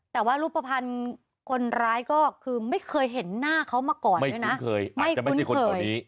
แต่ว่ารูปภัณฑ์คนร้ายก็คือไม่เคยเห็นหน้าเขามาก่อนด้วยนะไม่เคยจะไม่ใช่คนแถวนี้